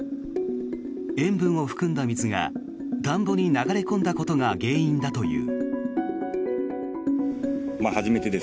塩分を含んだ水が田んぼに流れ込んだことが原因だという。